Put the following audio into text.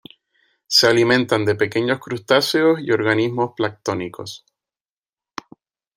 Se alimentan de pequeños crustáceos y organismos planctónicos.